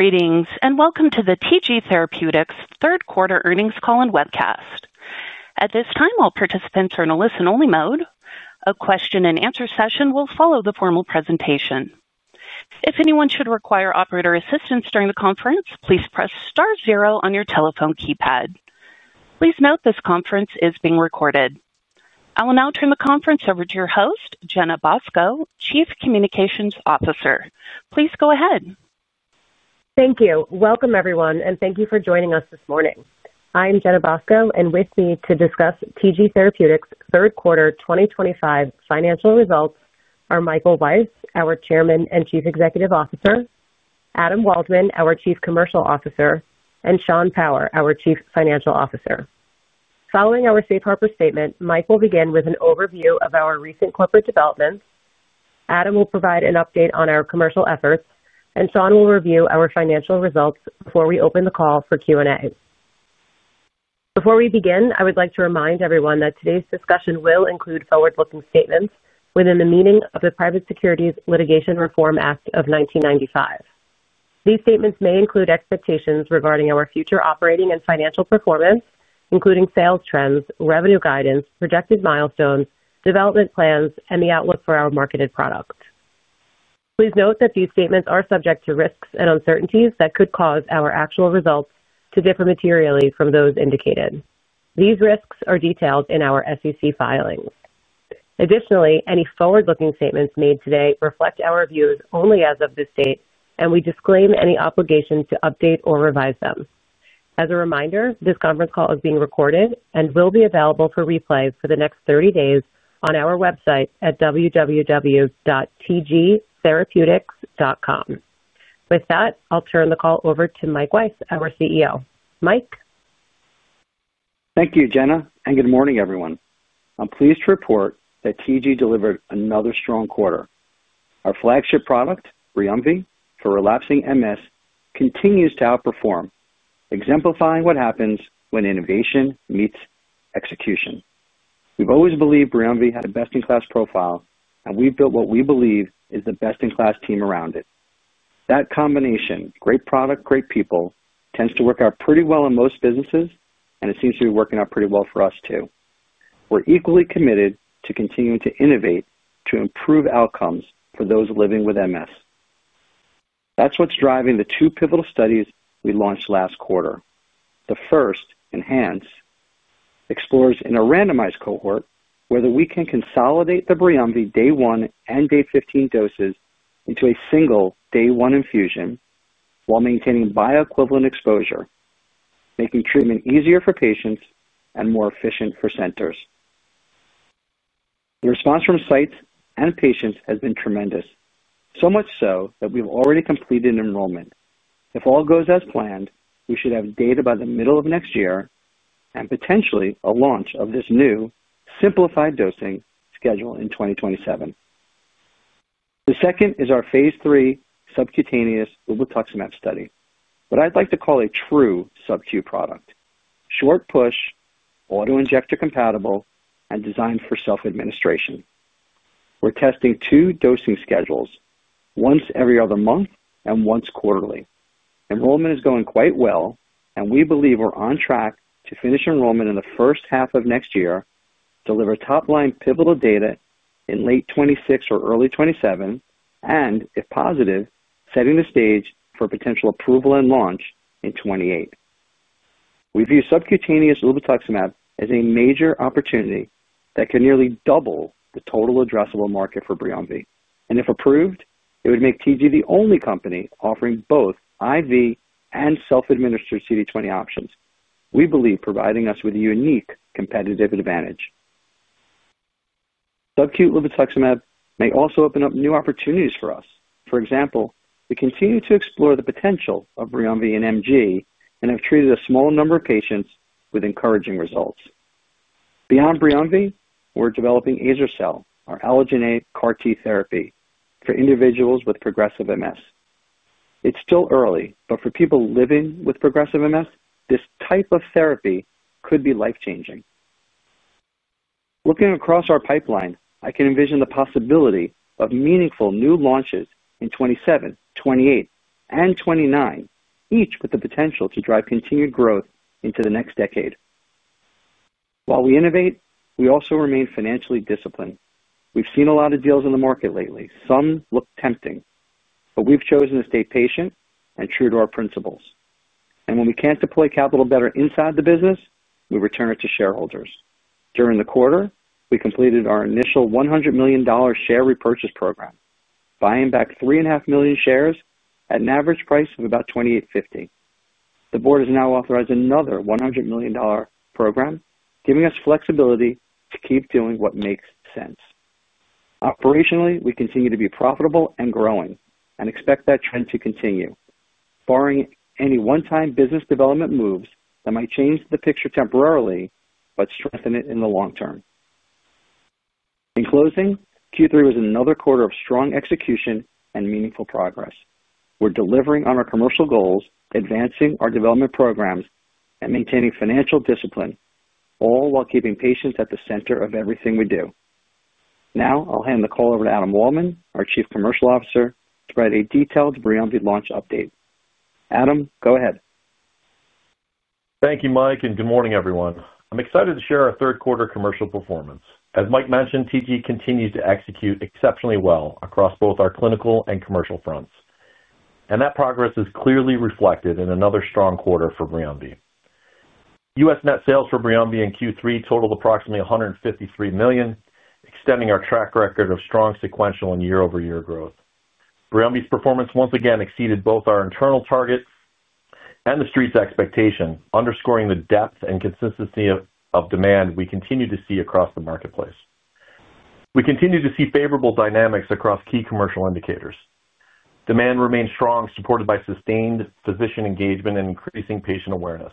Greetings and welcome to the TG Therapeutics third-quarter earnings call and webcast. At this time, all participants are in a listen-only mode. A question-and-answer session will follow the formal presentation. If anyone should require operator assistance during the conference, please press star zero on your telephone keypad. Please note this conference is being recorded. I will now turn the conference over to your host, Jenna Bosco, Chief Communications Officer. Please go ahead. Thank you. Welcome, everyone, and thank you for joining us this morning. I'm Jenna Bosco, and with me to discuss TG Therapeutics third quarter 2025 financial results are Michael Weiss, our Chairman and Chief Executive Officer, Adam Waldman, our Chief Commercial Officer, and Sean Power, our Chief Financial Officer. Following our safe harbor statement, Michael will begin with an overview of our recent corporate developments. Adam will provide an update on our commercial efforts, and Sean will review our financial results before we open the call for Q&A. Before we begin, I would like to remind everyone that today's discussion will include forward-looking statements within the meaning of the Private Securities Litigation Reform Act of 1995. These statements may include expectations regarding our future operating and financial performance, including sales trends, revenue guidance, projected milestones, development plans, and the outlook for our marketed product. Please note that these statements are subject to risks and uncertainties that could cause our actual results to differ materially from those indicated. These risks are detailed in our SEC filings. Additionally, any forward-looking statements made today reflect our views only as of this date, and we disclaim any obligation to update or revise them. As a reminder, this conference call is being recorded and will be available for replay for the next 30 days on our website at www.tgtherapeutics.com. With that, I'll turn the call over to Mike Weiss, our CEO. Mike. Thank you, Jenna, and good morning, everyone. I'm pleased to report that TG delivered another strong quarter. Our flagship product, BRIUMVI, for relapsing MS, continues to outperform, exemplifying what happens when innovation meets execution. We've always believed BRIUMVI had a best-in-class profile, and we've built what we believe is the best-in-class team around it. That combination—great product, great people—tends to work out pretty well in most businesses, and it seems to be working out pretty well for us, too. We're equally committed to continuing to innovate to improve outcomes for those living with MS. That's what's driving the two pivotal studies we launched last quarter. The first, ENHANCE, explores in a randomized cohort whether we can consolidate the BRIUMVI day one and day 15 doses into a single day one infusion while maintaining bioequivalent exposure, making treatment easier for patients and more efficient for centers. The response from sites and patients has been tremendous, so much so that we've already completed enrollment. If all goes as planned, we should have data by the middle of next year and potentially a launch of this new simplified dosing schedule in 2027. The second is our phase three subcutaneous ublituximab study, what I'd like to call a true subcu product—short push, auto-injector compatible, and designed for self-administration. We're testing two dosing schedules: once every other month and once quarterly. Enrollment is going quite well, and we believe we're on track to finish enrollment in the first half of next year, deliver top-line pivotal data in late 2026 or early 2027, and if positive, setting the stage for potential approval and launch in 2028. We view subcutaneous ublituximab as a major opportunity that could nearly double the total addressable market for BRIUMVI. If approved, it would make TG the only company offering both IV and self-administered CD20 options. We believe providing us with a unique competitive advantage. Subcu ublituximab may also open up new opportunities for us. For example, we continue to explore the potential of BRIUMVI in MG and have treated a small number of patients with encouraging results. Beyond BRIUMVI, we're developing azer-cel, our allogeneic CAR-T therapy for individuals with progressive MS. It's still early, but for people living with progressive MS, this type of therapy could be life-changing. Looking across our pipeline, I can envision the possibility of meaningful new launches in 2027, 2028, and 2029, each with the potential to drive continued growth into the next decade. While we innovate, we also remain financially disciplined. We've seen a lot of deals in the market lately. Some look tempting, but we've chosen to stay patient and true to our principles. When we can't deploy capital better inside the business, we return it to shareholders. During the quarter, we completed our initial $100 million share repurchase program, buying back 3.5 million shares at an average price of about $28.50. The board has now authorized another $100 million program, giving us flexibility to keep doing what makes sense. Operationally, we continue to be profitable and growing and expect that trend to continue, barring any one-time business development moves that might change the picture temporarily but strengthen it in the long term. In closing, Q3 was another quarter of strong execution and meaningful progress. We're delivering on our commercial goals, advancing our development programs, and maintaining financial discipline, all while keeping patients at the center of everything we do. Now, I'll hand the call over to Adam Waldman, our Chief Commercial Officer, to provide a detailed BRIUMVI launch update. Adam, go ahead. Thank you, Mike, and good morning, everyone. I'm excited to share our third-quarter commercial performance. As Mike mentioned, TG continues to execute exceptionally well across both our clinical and commercial fronts. That progress is clearly reflected in another strong quarter for BRIUMVI. U.S. net sales for BRIUMVI in Q3 totaled approximately $153 million, extending our track record of strong sequential and year-over-year growth. BRIUMVI's performance once again exceeded both our internal targets and the street's expectation, underscoring the depth and consistency of demand we continue to see across the marketplace. We continue to see favorable dynamics across key commercial indicators. Demand remains strong, supported by sustained physician engagement and increasing patient awareness.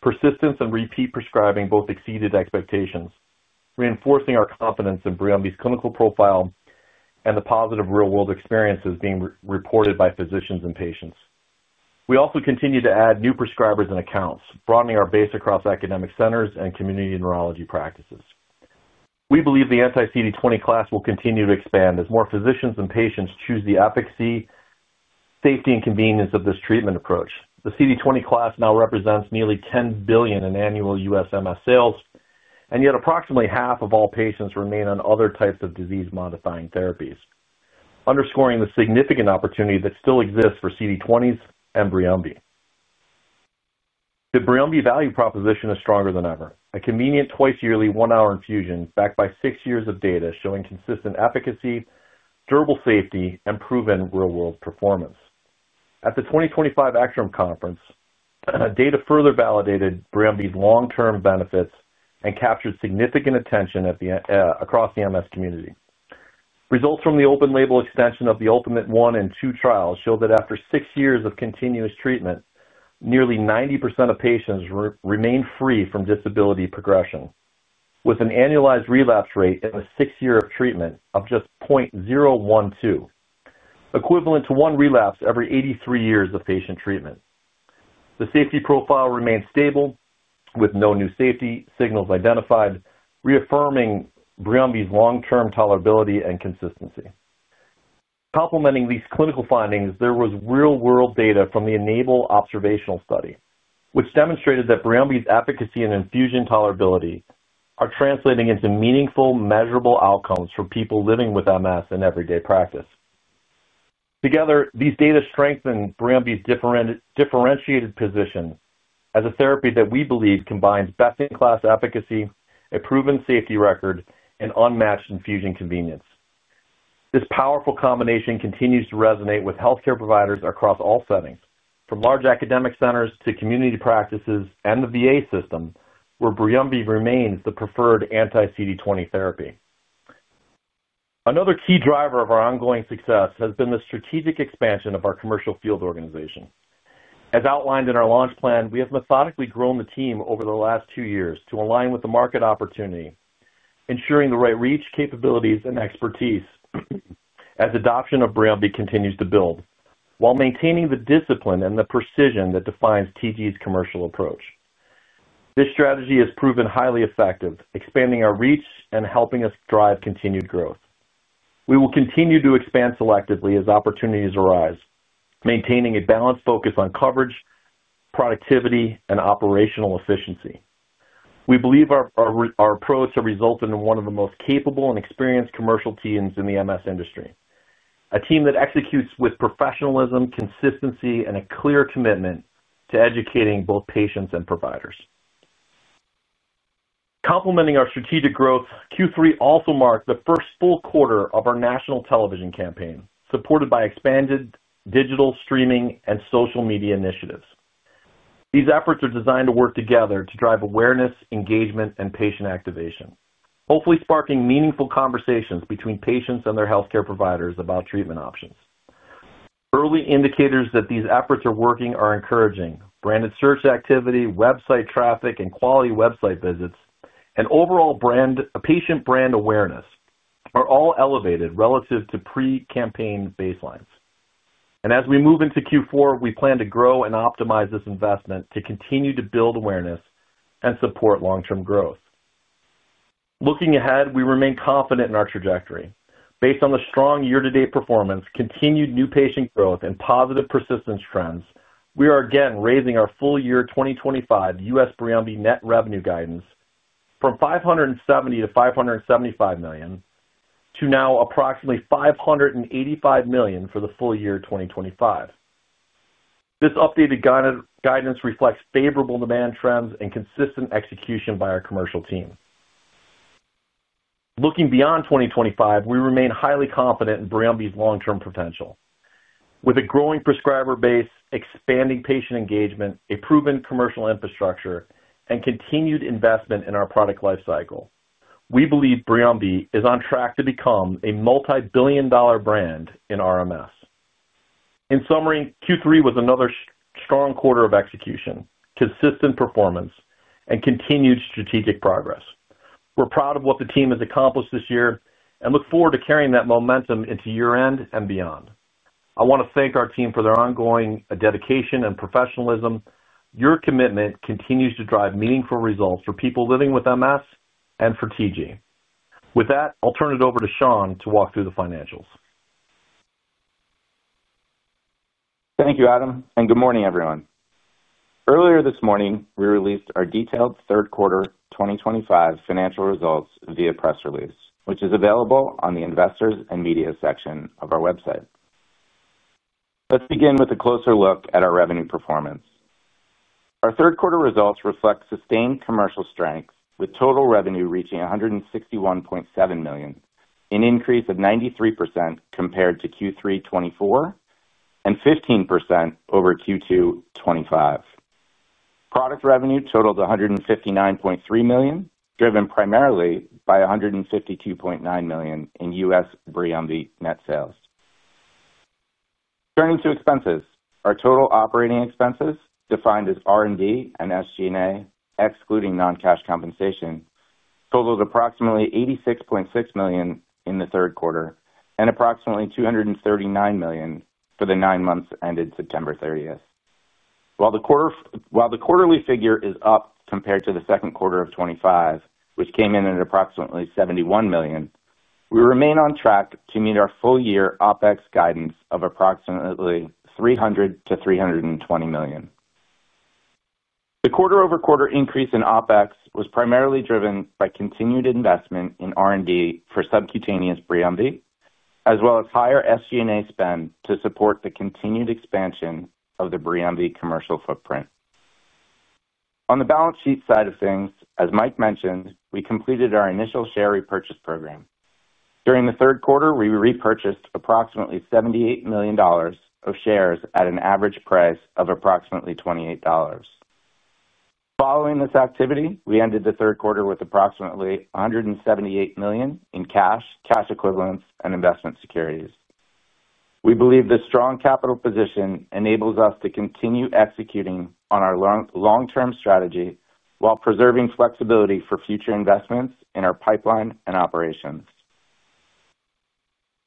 Persistence and repeat prescribing both exceeded expectations, reinforcing our confidence in BRIUMVI's clinical profile and the positive real-world experiences being reported by physicians and patients. We also continue to add new prescribers and accounts, broadening our base across academic centers and community neurology practices. We believe the anti-CD20 class will continue to expand as more physicians and patients choose the efficacy, safety, and convenience of this treatment approach. The CD20 class now represents nearly $10 billion in annual U.S. MS sales, and yet approximately half of all patients remain on other types of disease-modifying therapies, underscoring the significant opportunity that still exists for CD20s and BRIUMVI. The BRIUMVI value proposition is stronger than ever. A convenient twice-yearly, one-hour infusion backed by six years of data showing consistent efficacy, durable safety, and proven real-world performance. At the 2025 ACTRIMS conference, data further validated BRIUMVI's long-term benefits and captured significant attention across the MS community. Results from the open-label extension of the ULTIMATE I and II trials show that after six years of continuous treatment, nearly 90% of patients remain free from disability progression, with an annualized relapse rate in the six-year treatment of just 0.012, equivalent to one relapse every 83 years of patient treatment. The safety profile remains stable, with no new safety signals identified, reaffirming BRIUMVI's long-term tolerability and consistency. Complementing these clinical findings, there was real-world data from the ENABLE observational study, which demonstrated that BRIUMVI's efficacy and infusion tolerability are translating into meaningful, measurable outcomes for people living with MS in everyday practice. Together, these data strengthen BRIUMVI's differentiated position as a therapy that we believe combines best-in-class efficacy, a proven safety record, and unmatched infusion convenience. This powerful combination continues to resonate with healthcare providers across all settings, from large academic centers to community practices and the VA system, where BRIUMVI remains the preferred anti-CD20 therapy. Another key driver of our ongoing success has been the strategic expansion of our commercial field organization. As outlined in our launch plan, we have methodically grown the team over the last two years to align with the market opportunity, ensuring the right reach, capabilities, and expertise. As adoption of BRIUMVI continues to build, while maintaining the discipline and the precision that defines TG's commercial approach. This strategy has proven highly effective, expanding our reach and helping us drive continued growth. We will continue to expand selectively as opportunities arise, maintaining a balanced focus on coverage, productivity, and operational efficiency. We believe our approach has resulted in one of the most capable and experienced commercial teams in the MS industry, a team that executes with professionalism, consistency, and a clear commitment to educating both patients and providers. Complementing our strategic growth, Q3 also marked the first full quarter of our national television campaign, supported by expanded digital streaming and social media initiatives. These efforts are designed to work together to drive awareness, engagement, and patient activation, hopefully sparking meaningful conversations between patients and their healthcare providers about treatment options. Early indicators that these efforts are working are encouraging: branded search activity, website traffic, and quality website visits, and overall patient brand awareness are all elevated relative to pre-campaign baselines. As we move into Q4, we plan to grow and optimize this investment to continue to build awareness and support long-term growth. Looking ahead, we remain confident in our trajectory. Based on the strong year-to-date performance, continued new patient growth, and positive persistence trends, we are again raising our full year 2025 U.S. BRIUMVI net revenue guidance from $570 million-$575 million to now approximately $585 million for the full year 2025. This updated guidance reflects favorable demand trends and consistent execution by our commercial team. Looking beyond 2025, we remain highly confident in BRIUMVI's long-term potential. With a growing prescriber base, expanding patient engagement, a proven commercial infrastructure, and continued investment in our product lifecycle, we believe BRIUMVI is on track to become a multi-billion dollar brand in RMS. In summary, Q3 was another strong quarter of execution, consistent performance, and continued strategic progress. We're proud of what the team has accomplished this year and look forward to carrying that momentum into year-end and beyond. I want to thank our team for their ongoing dedication and professionalism. Your commitment continues to drive meaningful results for people living with MS and for TG Therapeutics. With that, I'll turn it over to Sean to walk through the financials. Thank you, Adam, and good morning, everyone. Earlier this morning, we released our detailed third-quarter 2025 financial results via press release, which is available on the investors and media section of our website. Let's begin with a closer look at our revenue performance. Our third-quarter results reflect sustained commercial strength, with total revenue reaching $161.7 million, an increase of 93% compared to Q3 2024 and 15% over Q2 2025. Product revenue totaled $159.3 million, driven primarily by $152.9 million in U.S. BRIUMVI net sales. Turning to expenses, our total operating expenses, defined as R&D and SG&A, excluding non-cash compensation, totaled approximately $86.6 million in the third quarter and approximately $239 million for the nine months ended September 30th. While the quarterly figure is up compared to the second quarter of 2025, which came in at approximately $71 million, we remain on track to meet our full-year OpEx guidance of approximately $300 million-$320 million. The quarter-over-quarter increase in OpEx was primarily driven by continued investment in R&D for subcutaneous BRIUMVI, as well as higher SG&A spend to support the continued expansion of the BRIUMVI commercial footprint. On the balance sheet side of things, as Mike mentioned, we completed our initial share repurchase program. During the third quarter, we repurchased approximately $78 million of shares at an average price of approximately $28. Following this activity, we ended the third quarter with approximately $178 million in cash, cash equivalents, and investment securities. We believe this strong capital position enables us to continue executing on our long-term strategy while preserving flexibility for future investments in our pipeline and operations.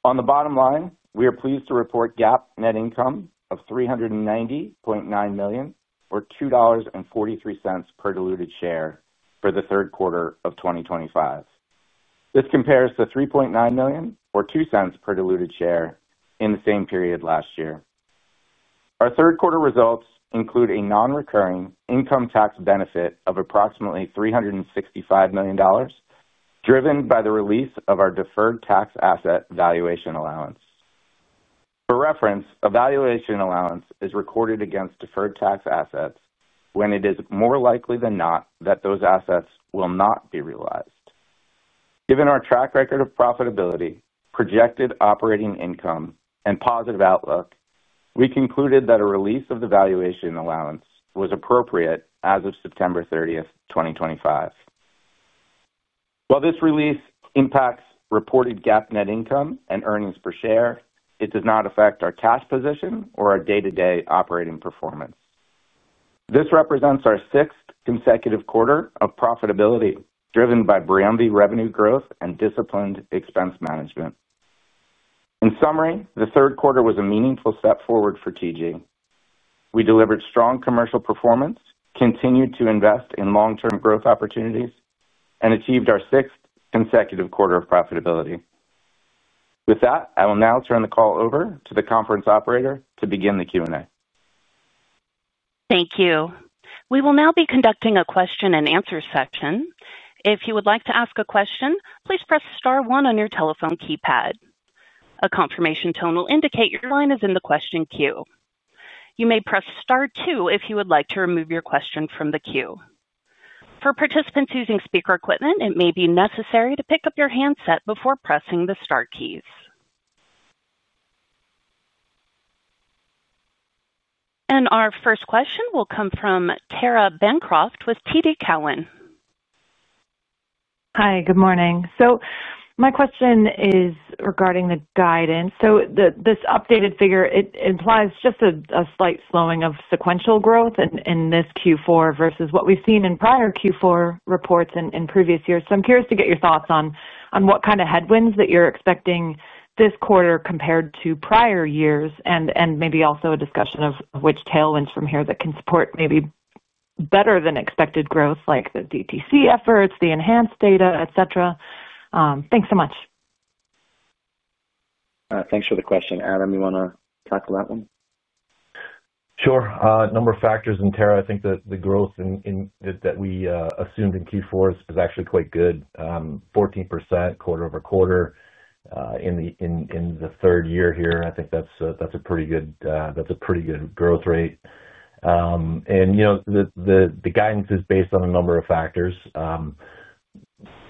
On the bottom line, we are pleased to report GAAP net income of $390.9 million, or $2.43 per diluted share, for the third quarter of 2025. This compares to $3.9 million, or $0.02 per diluted share, in the same period last year. Our third-quarter results include a non-recurring income tax benefit of approximately $365 million, driven by the release of our deferred tax asset valuation allowance. For reference, a valuation allowance is recorded against deferred tax assets when it is more likely than not that those assets will not be realized. Given our track record of profitability, projected operating income, and positive outlook, we concluded that a release of the valuation allowance was appropriate as of September 30th, 2025. While this release impacts reported GAAP net income and earnings per share, it does not affect our cash position or our day-to-day operating performance. This represents our sixth consecutive quarter of profitability, driven by BRIUMVI revenue growth and disciplined expense management. In summary, the third quarter was a meaningful step forward for TG Therapeutics. We delivered strong commercial performance, continued to invest in long-term growth opportunities, and achieved our sixth consecutive quarter of profitability. With that, I will now turn the call over to the conference operator to begin the Q&A. Thank you. We will now be conducting a question-and-answer section. If you would like to ask a question, please press star one on your telephone keypad. A confirmation tone will indicate your line is in the question queue. You may press star two if you would like to remove your question from the queue. For participants using speaker equipment, it may be necessary to pick up your handset before pressing the star keys. Our first question will come from Tara Bancroft with TD Cowen. Hi, good morning. My question is regarding the guidance. This updated figure implies just a slight slowing of sequential growth in this Q4 versus what we've seen in prior Q4 reports in previous years. I'm curious to get your thoughts on what kind of headwinds you're expecting this quarter compared to prior years, and maybe also a discussion of which tailwinds from here can support maybe better than expected growth, like the DTC efforts, the enhanced data, et cetera. Thanks so much. Thanks for the question. Adam, you want to tackle that one? Sure. A number of factors, and Tara, I think that the growth that we assumed in Q4 is actually quite good. 14% quarter over quarter. In the third year here, I think that's a pretty good growth rate. The guidance is based on a number of factors.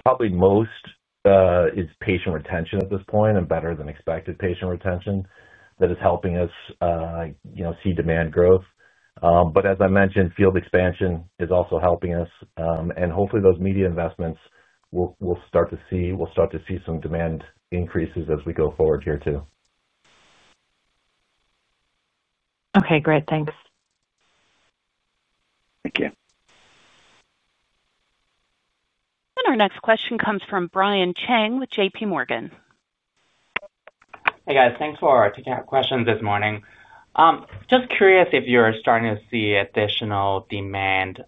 Probably most is patient retention at this point and better than expected patient retention that is helping us see demand growth. As I mentioned, field expansion is also helping us. Hopefully, those media investments will start to see some demand increases as we go forward here too. Okay, great. Thanks. Thank you. Our next question comes from Brian Chang with JPMorgan. Hey, guys. Thanks for taking our questions this morning. Just curious if you're starting to see additional demand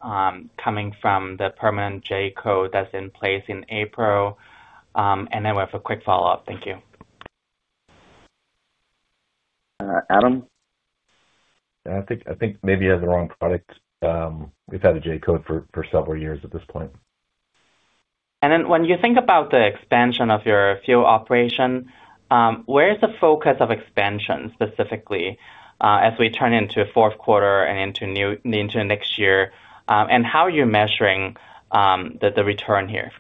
coming from the permanent J code that's in place in April. We have a quick follow-up. Thank you. Adam? I think maybe you have the wrong product. We've had a J code for several years at this point. When you think about the expansion of your field operation, where is the focus of expansion specifically as we turn into fourth quarter and into next year? How are you measuring the return here?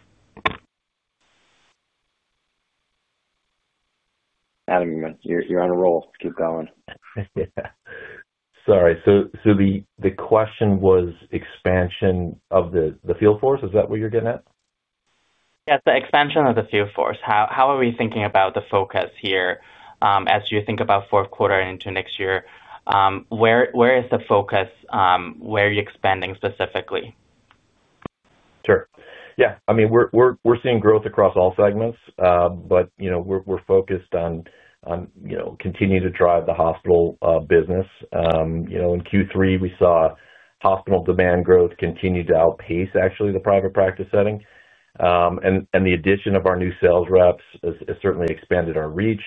Adam, you're on a roll. Keep going. Sorry. The question was expansion of the field force? Is that what you're getting at? Yes, the expansion of the field force. How are we thinking about the focus here as you think about fourth quarter and into next year? Where is the focus? Where are you expanding specifically? Sure. Yeah. I mean, we're seeing growth across all segments, but we're focused on continuing to drive the hospital business. In Q3, we saw hospital demand growth continue to outpace, actually, the private practice setting. The addition of our new sales reps has certainly expanded our reach,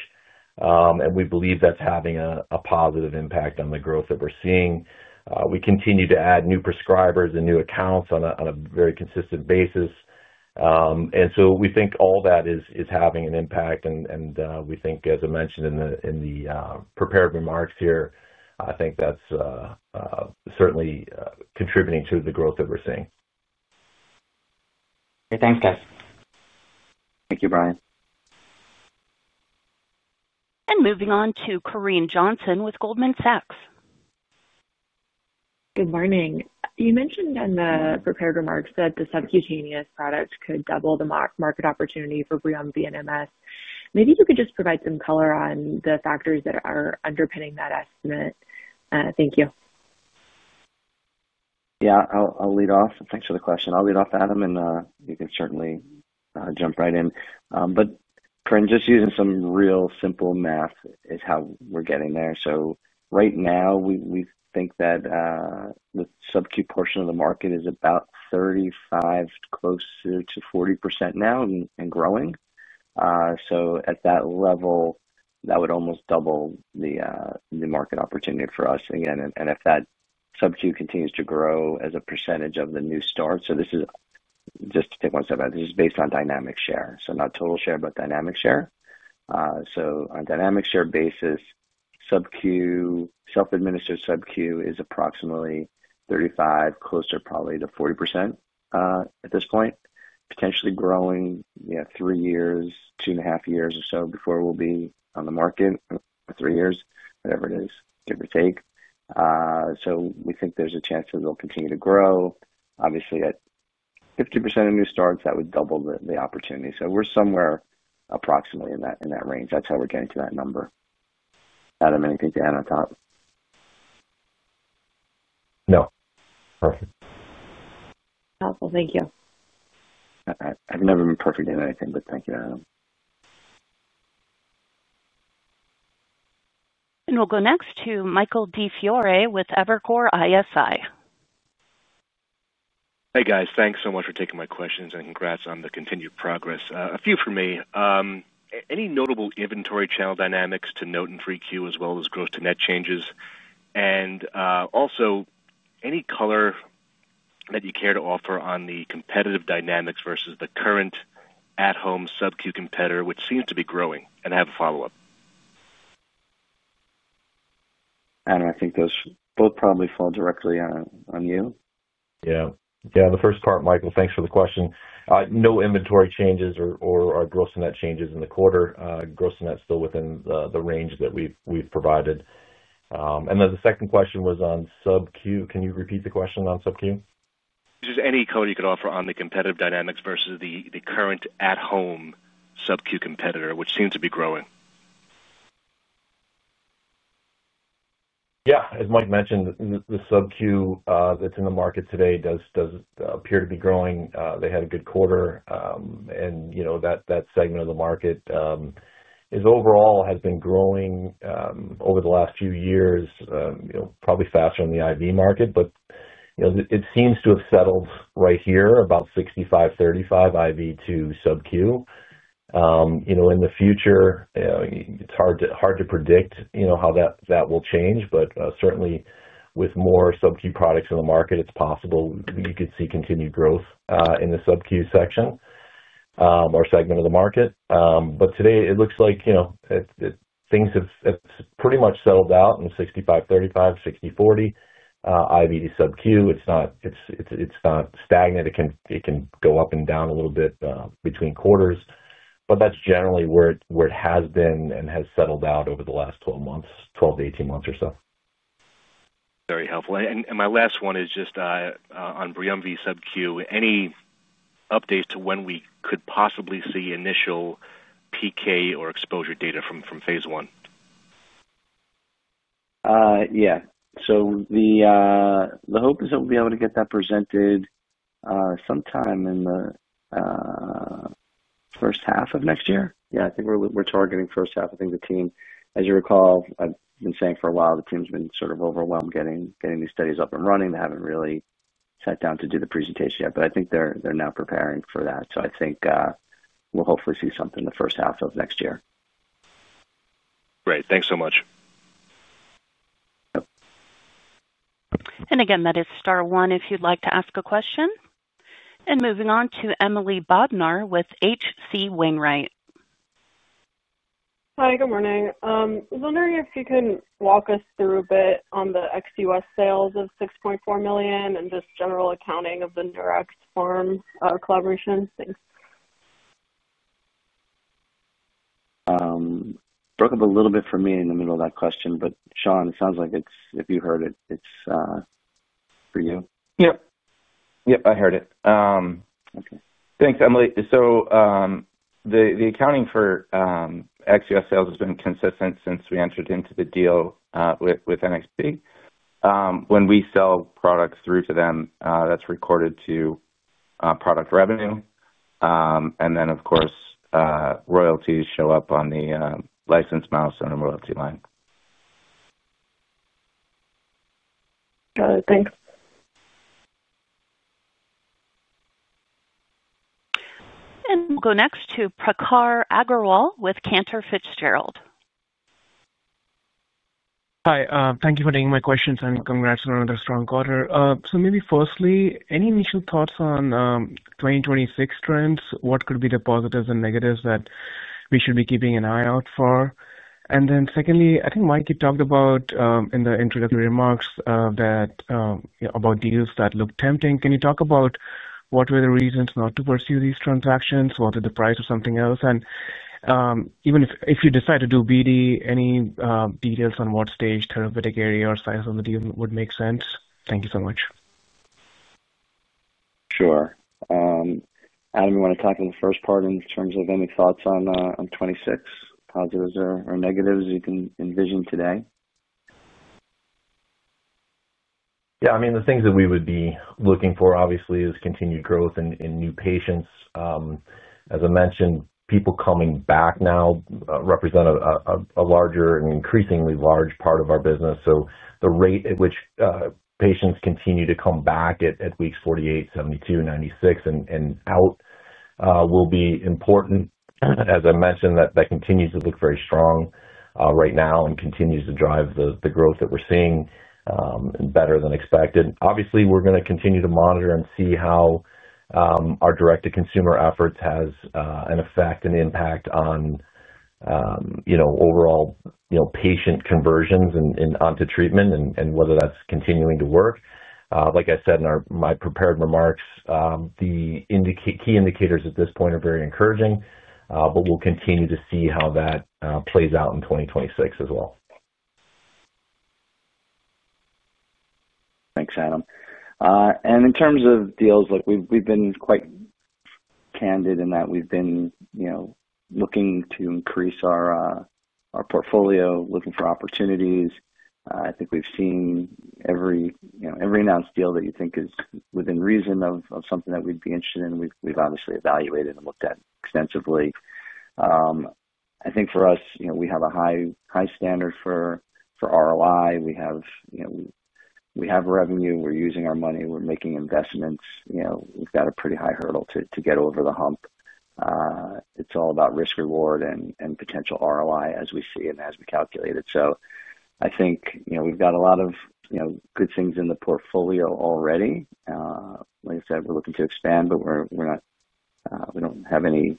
and we believe that's having a positive impact on the growth that we're seeing. We continue to add new prescribers and new accounts on a very consistent basis. We think all that is having an impact. We think, as I mentioned in the prepared remarks here, I think that's certainly contributing to the growth that we're seeing. Thanks, guys. Thank you, Brian. Moving on to Corinne Johnson with Goldman Sachs. Good morning. You mentioned in the prepared remarks that the subcutaneous products could double the market opportunity for BRIUMVI in MS. Maybe you could just provide some color on the factors that are underpinning that estimate. Thank you. Yeah, I'll lead off. Thanks for the question. I'll lead off, Adam, and you can certainly jump right in. Corinne, just using some real simple math is how we're getting there. Right now, we think that the subcu portion of the market is about 35%, close to 40% now, and growing. At that level, that would almost double the market opportunity for us. Again, if that subcu continues to grow as a percentage of the new start, just to take one step back, this is based on dynamic share. Not total share, but dynamic share. On a dynamic share basis, self-administered subcu is approximately 35%, closer probably to 40%. At this point, potentially growing three years, two and a half years or so before we'll be on the market, three years, whatever it is, give or take. We think there's a chance that it'll continue to grow. Obviously, at 50% of new starts, that would double the opportunity. We're somewhere approximately in that range. That's how we're getting to that number. Adam, anything to add on top? No. Perfect. Awesome. Thank you. I've never been perfect in anything, but thank you, Adam. We'll go next to Michael DiFiore with Evercore ISI. Hey, guys. Thanks so much for taking my questions, and congrats on the continued progress. A few for me. Any notable inventory channel dynamics to note in 3Q, as well as gross to net changes? Also, any color that you care to offer on the competitive dynamics versus the current at-home subcu competitor, which seems to be growing? I have a follow-up. Adam, I think those both probably fall directly on you. Yeah. Yeah, the first part, Michael, thanks for the question. No inventory changes or gross to net changes in the quarter. Gross to net is still within the range that we've provided. The second question was on subcu. Can you repeat the question on subcu? Is there any color you could offer on the competitive dynamics versus the current at-home subcu competitor, which seems to be growing? Yeah. As Mike mentioned, the subcu that's in the market today does appear to be growing. They had a good quarter. That segment of the market overall has been growing over the last few years, probably faster than the IV market. It seems to have settled right here, about 65-35 IV to subcu. In the future, it's hard to predict how that will change. Certainly, with more subcu products in the market, it's possible you could see continued growth in the subcu section or segment of the market. Today, it looks like things have pretty much settled out in 65-35, 60-40 IV to subcu. It's not stagnant. It can go up and down a little bit between quarters, but that's generally where it has been and has settled out over the last 12 months, 12 to 18 months or so. Very helpful. My last one is just on BRIUMVI subcutaneous. Any updates to when we could possibly see initial PK or exposure data from phase I? Yeah. The hope is that we'll be able to get that presented sometime in the first half of next year. Yeah, I think we're targeting first half. I think the team, as you recall, I've been saying for a while, the team's been sort of overwhelmed getting these studies up and running. They haven't really sat down to do the presentation yet. I think they're now preparing for that. I think we'll hopefully see something in the first half of next year. Great. Thanks so much. Again, that is star one if you'd like to ask a question. Moving on to Emily Bodnar with H.C. Wainwright. Hi, good morning. I was wondering if you can walk us through a bit on the ex-U.S. sales of $6.4 million and just general accounting of the Neuraxpharm collaboration. Thanks. Broke up a little bit for me in the middle of that question. Sean, it sounds like if you heard it, it's for you. Yep. Yep, I heard it. Thanks, Emily. The accounting for XUS sales has been consistent since we entered into the deal with Neuraxpharm. When we sell products through to them, that's recorded to product revenue. Then, of course, royalties show up on the license milestone and royalty line. Got it. Thanks. We'll go next to Prakhar Agrawal with Cantor Fitzgerald. Hi. Thank you for taking my questions, and congrats on another strong quarter. Maybe firstly, any initial thoughts on 2026 trends? What could be the positives and negatives that we should be keeping an eye out for? Secondly, I think Mikey talked about in the introductory remarks about deals that look tempting. Can you talk about what were the reasons not to pursue these transactions? Was it the price or something else? If you decide to do BD, any details on what stage, therapeutic area, or size of the deal would make sense? Thank you so much. Sure. Adam, you want to tackle the first part in terms of any thoughts on 2026, positives or negatives you can envision today? Yeah. I mean, the things that we would be looking for, obviously, is continued growth in new patients. As I mentioned, people coming back now represent a larger and increasingly large part of our business. So the rate at which patients continue to come back at weeks 48, 72, 96, and out will be important. As I mentioned, that continues to look very strong right now and continues to drive the growth that we're seeing. Better than expected. Obviously, we're going to continue to monitor and see how our direct-to-consumer efforts have an effect and impact on overall patient conversions and onto treatment and whether that's continuing to work. Like I said in my prepared remarks, the key indicators at this point are very encouraging, but we'll continue to see how that plays out in 2026 as well. Thanks, Adam. In terms of deals, we've been quite candid in that we've been looking to increase our portfolio, looking for opportunities. I think we've seen every announced deal that you think is within reason of something that we'd be interested in. We've obviously evaluated and looked at extensively. I think for us, we have a high standard for ROI. We have revenue. We're using our money. We're making investments. We've got a pretty high hurdle to get over the hump. It's all about risk-reward and potential ROI as we see it and as we calculate it. I think we've got a lot of good things in the portfolio already. Like I said, we're looking to expand, but we don't have any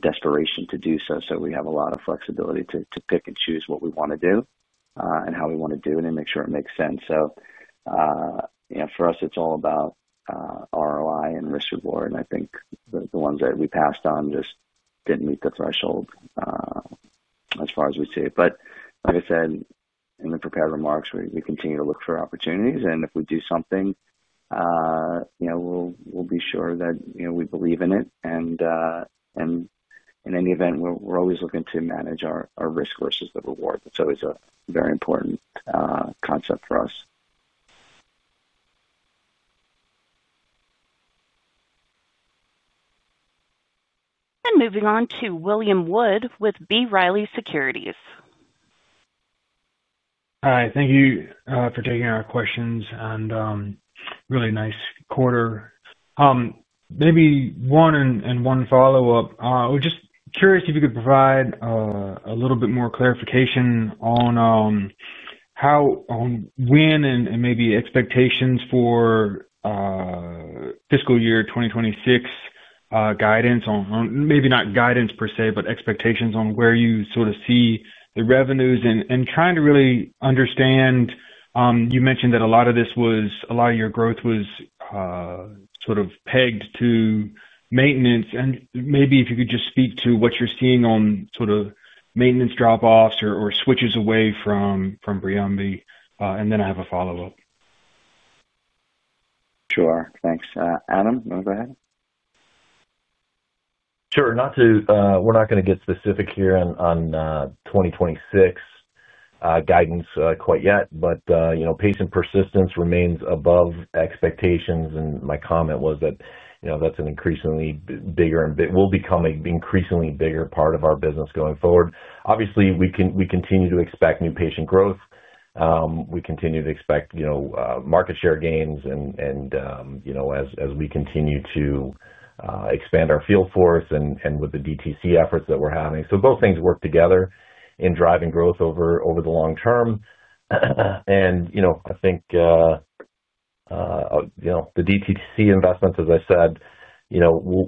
desperation to do so. We have a lot of flexibility to pick and choose what we want to do and how we want to do it and make sure it makes sense. For us, it's all about ROI and risk-reward. I think the ones that we passed on just didn't meet the threshold as far as we see it. Like I said in the prepared remarks, we continue to look for opportunities. If we do something, we'll be sure that we believe in it. In any event, we're always looking to manage our risk versus the reward. That's always a very important concept for us. Moving on to William Wood with B. Riley Securities. Hi. Thank you for taking our questions. Really nice quarter. Maybe one and one follow-up. I was just curious if you could provide a little bit more clarification on how, when, and maybe expectations for fiscal year 2026. Guidance on maybe not guidance per se, but expectations on where you sort of see the revenues and trying to really understand. You mentioned that a lot of this was, a lot of your growth was sort of pegged to maintenance. Maybe if you could just speak to what you're seeing on sort of maintenance drop-offs or switches away from BRIUMVI. Then I have a follow-up. Sure. Thanks. Adam, you want to go ahead? Sure. We're not going to get specific here on 2026 guidance quite yet. But patient persistence remains above expectations. My comment was that that's an increasingly bigger and will become an increasingly bigger part of our business going forward. Obviously, we continue to expect new patient growth. We continue to expect market share gains. As we continue to expand our field force and with the DTC efforts that we're having, both things work together in driving growth over the long term. I think the DTC investments, as I said,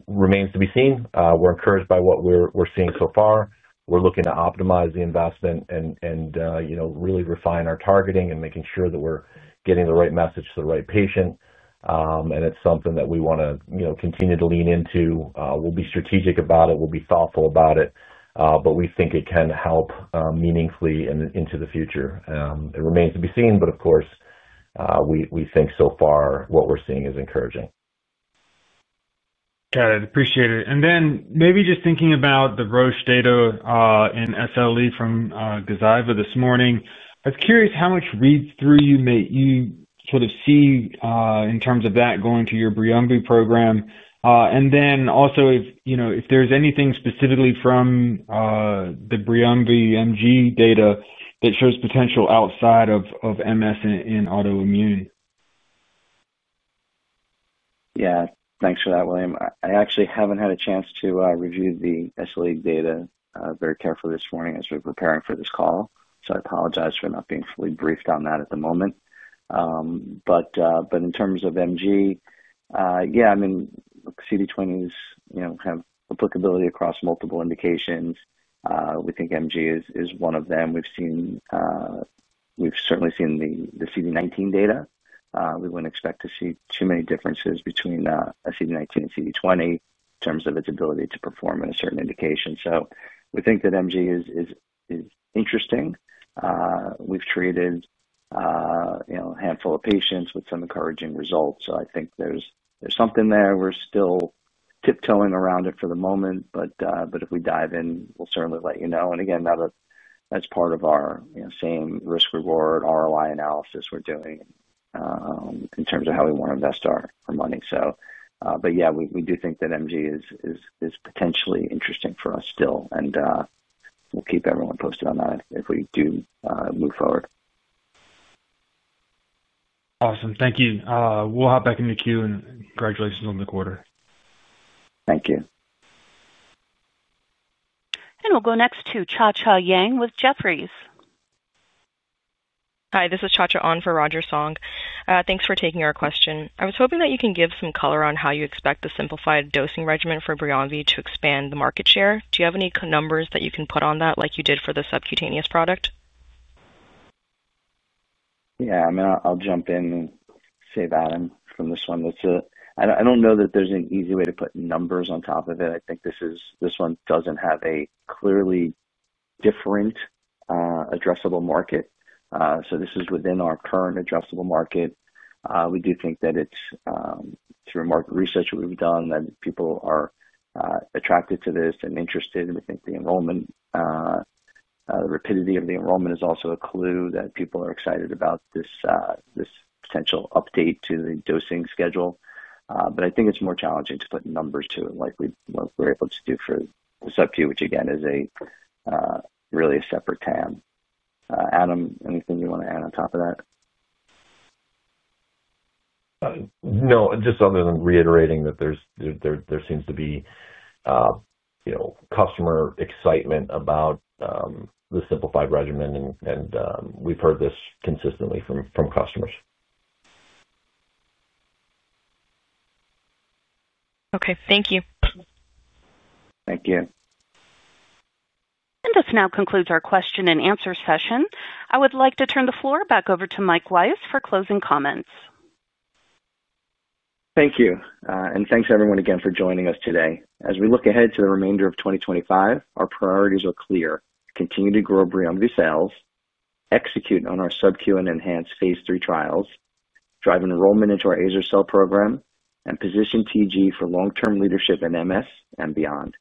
remain to be seen. We're encouraged by what we're seeing so far. We're looking to optimize the investment and really refine our targeting and making sure that we're getting the right message to the right patient. It's something that we want to continue to lean into. We'll be strategic about it. We'll be thoughtful about it. We think it can help meaningfully into the future. It remains to be seen. Of course, we think so far what we're seeing is encouraging. Got it. Appreciate it. Maybe just thinking about the Roche data in SLE from Gazyva this morning. I was curious how much read-through you sort of see in terms of that going to your BRIUMVI program. Also, if there's anything specifically from the BRIUMVI MG data that shows potential outside of MS in autoimmune? Yeah. Thanks for that, William. I actually haven't had a chance to review the SLE data very carefully this morning as we're preparing for this call. I apologize for not being fully briefed on that at the moment. In terms of MG, yeah, I mean, CD20s have applicability across multiple indications. We think MG is one of them. We've certainly seen the CD19 data. We wouldn't expect to see too many differences between a CD19 and CD20 in terms of its ability to perform in a certain indication. We think that MG is interesting. We've treated a handful of patients with some encouraging results. I think there's something there. We're still tiptoeing around it for the moment. If we dive in, we'll certainly let you know. Again, that's part of our same risk-reward ROI analysis we're doing in terms of how we want to invest our money. We do think that MG is potentially interesting for us still. We'll keep everyone posted on that if we do move forward. Awesome. Thank you. We'll hop back into Q and congratulations on the quarter. Thank you. We will go next to Cha Cha Yang with Jefferies. Hi, this is Cha Cha Yang for Roger Song. Thanks for taking our question. I was hoping that you can give some color on how you expect the simplified dosing regimen for BRIUMVI to expand the market share. Do you have any numbers that you can put on that like you did for the subcutaneous product? Yeah. I mean, I'll jump in and say that from this one. I don't know that there's an easy way to put numbers on top of it. I think this one doesn't have a clearly different addressable market. So this is within our current addressable market. We do think that it's through market research that we've done, that people are attracted to this and interested. We think the enrollment, the rapidity of the enrollment is also a clue that people are excited about this potential update to the dosing schedule. I think it's more challenging to put numbers to it like we were able to do for the subcu, which again is really a separate tab. Adam, anything you want to add on top of that? No. Just other than reiterating that there seems to be customer excitement about the simplified regimen. And we've heard this consistently from customers. Okay. Thank you. Thank you. This now concludes our question and answer session. I would like to turn the floor back over to Mike Weiss for closing comments. Thank you. Thanks everyone again for joining us today. As we look ahead to the remainder of 2025, our priorities are clear. Continue to grow BRIUMVI sales, execute on our subcutaneous and enhanced phase three trials, drive enrollment into our azer-cel program, and position TG Therapeutics for long-term leadership in MS and beyond.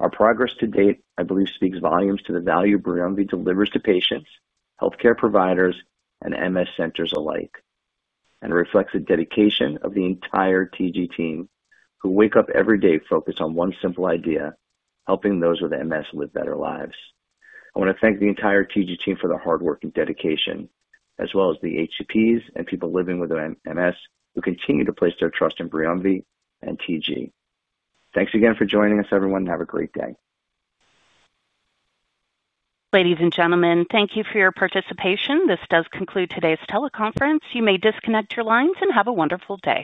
Our progress to date, I believe, speaks volumes to the value BRIUMVI delivers to patients, healthcare providers, and MS centers alike. It reflects the dedication of the entire TG Therapeutics team who wake up every day focused on one simple idea: helping those with MS live better lives. I want to thank the entire TG Therapeutics team for the hard work and dedication, as well as the HCPs and people living with MS who continue to place their trust in BRIUMVI and TG Therapeutics. Thanks again for joining us, everyone. Have a great day. Ladies and gentlemen, thank you for your participation. This does conclude today's teleconference. You may disconnect your lines and have a wonderful day.